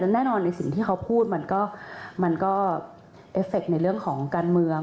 แน่นอนในสิ่งที่เขาพูดมันก็เอฟเฟคในเรื่องของการเมือง